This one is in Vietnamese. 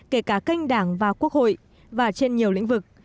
kể cả kênh đảng và quốc hội và trên nhiều lĩnh vực